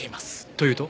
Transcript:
というと？